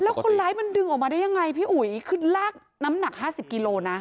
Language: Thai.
แล้วคนร้ายมันดึงออกมาได้ยังไงพี่อุ๋ยคือลากน้ำหนักห้าสิบกิโลนะ